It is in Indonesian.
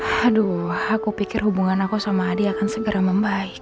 aduh aku pikir hubungan aku sama hadiah akan segera membaik